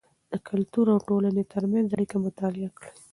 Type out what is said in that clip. د کلتور او ټولنې ترمنځ اړیکه مطالعه کړئ.